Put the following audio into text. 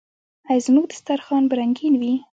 آیا زموږ دسترخان به رنګین وي؟